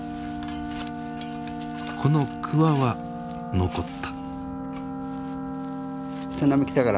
この鍬は残った。